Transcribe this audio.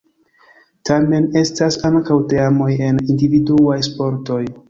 Tamen, estas ankaŭ teamoj en individuaj sportoj.